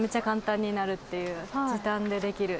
時短でできる。